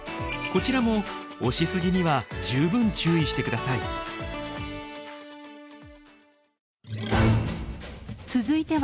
こちらも押し過ぎには十分注意してください。